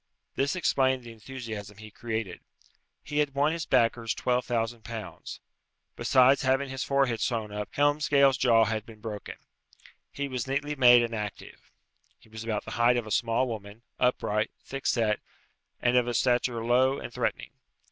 This explained the enthusiasm he created. He had won his backers twelve thousand pounds. Besides having his forehead sewn up Helmsgail's jaw had been broken. He was neatly made and active. He was about the height of a small woman, upright, thick set, and of a stature low and threatening.